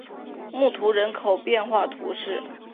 穆图人口变化图示